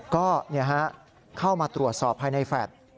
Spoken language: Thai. ก็เข้ามาตรวจสอบภายในแฟลต์